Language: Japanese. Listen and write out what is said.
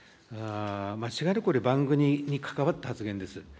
間違いなく、これ、番組に関わった発言です。